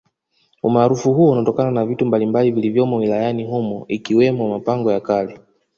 Umarufu huo unatokana na vitu mbalimbali vilivyomo wilayani humo ikiwemo mapango ya kale